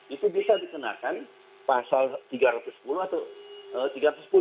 itu bisa dikenakan pasal tiga ratus sepuluh atau